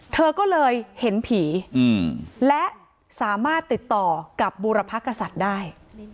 เธอก็เลยเห็นผีและสามารถติดต่อกับบูรพกษัตริย์ได้